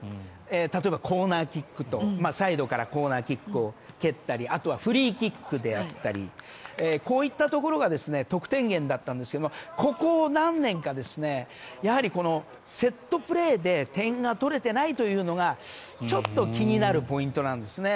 例えば、コーナーキックサイドからコーナーキックを蹴ったりあとはフリーキックであったりこういったところが得点源だったんですがここ何年か、セットプレーで点が取れていないというのがちょっと気になるポイントなんですね。